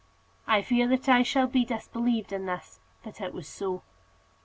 I fear that I shall be disbelieved in this; but it was so.